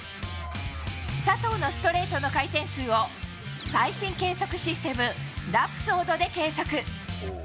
佐藤のストレートの回転数を、最新計測システム、ラプソードで計測。